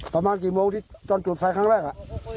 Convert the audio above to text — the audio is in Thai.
ประมาณกี่โมงจนจุดไฟครั้งแรกฮะ